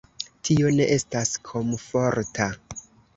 Tio ne estas komforta.